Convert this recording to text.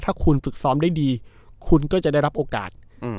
ถ้าคุณฝึกซ้อมได้ดีคุณก็จะได้รับโอกาส